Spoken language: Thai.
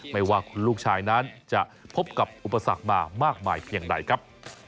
ไม่ว่าคุณลูกชายนั้นจะพบกับอุปสรรคมามากมายเพียงใดครับ